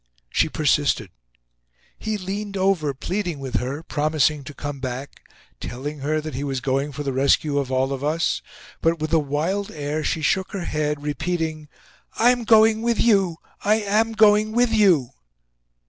She persisted. He leaned over, pleading with her, promising to come back, telling her that he was going for the rescue of all of us. But, with a wild air, she shook her head, repeating "I am going with you! I am going with you!"